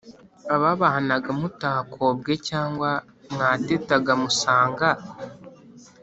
Ababahanaga mutakobwe Cyangwa mwatetaga musanga ;